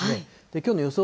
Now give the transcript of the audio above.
きょうの予想